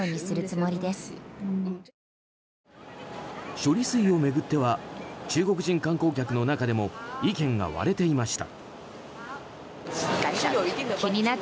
処理水を巡っては中国人観光客の中でも意見が割れていました。